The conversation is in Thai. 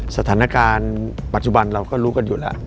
สถานการณ์ปัจจุบันเราก็รู้กันอยู่แล้ว